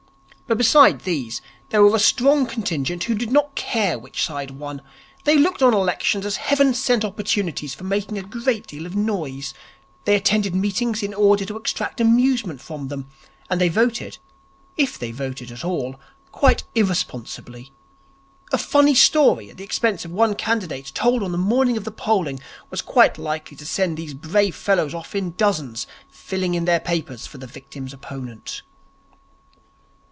But besides these there was a strong contingent who did not care which side won. These looked on elections as Heaven sent opportunities for making a great deal of noise. They attended meetings in order to extract amusement from them; and they voted, if they voted at all, quite irresponsibly. A funny story at the expense of one candidate told on the morning of the polling, was quite likely to send these brave fellows off in dozens filling in their papers for the victim's opponent.